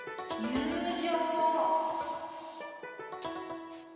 友情。